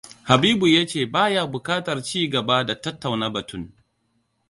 Habibu ya ce baya bukatar ci gaba da tattauna batun.